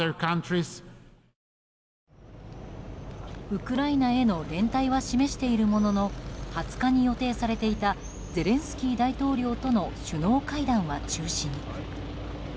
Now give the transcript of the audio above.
ウクライナへの連帯は示しているものの２０日に予定されていたゼレンスキー大統領との首脳会談は中止に。